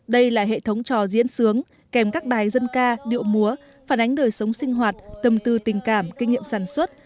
đây là hệ thống trò diễn sướng kèm các bài dân ca điệu múa phản ánh đời sống sinh hoạt tâm tư tình cảm kinh nghiệm sản xuất